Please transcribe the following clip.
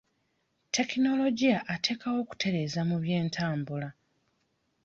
Tekinologiya ateekawo okutereeza mu by'entambula.